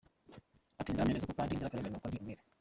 Ati “Ndahamya neza ko ndi inzirakarengane, kuko ndi umwere.